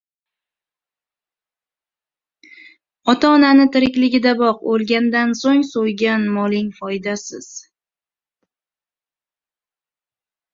• Ota-onani tirikligida boq, o‘lgandan so‘ng so‘ygan moling foydasiz.